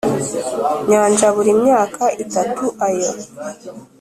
nyanja Buri myaka itatu ayo